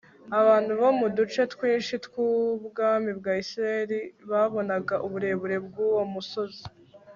Abantu bo mu duce twinshi twubwami bwa Isirayeli babonaga uburebure bwuwo musozi